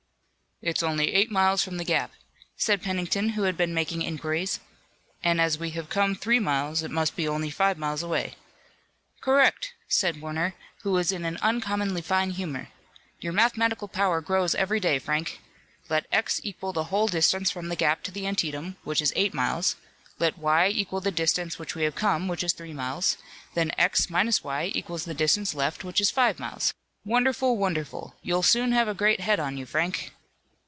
"It's only eight miles from the gap," said Pennington, who had been making inquiries, "and as we have come three miles it must be only five miles away." "Correct," said Warner, who was in an uncommonly fine humor. "Your mathematical power grows every day, Frank. Let x equal the whole distance from the gap to the Antietam, which is eight miles, let y equal the distance which we have come which is three miles, then x minus y equals the distance left, which is five miles. Wonderful! wonderful! You'll soon have a great head on you, Frank."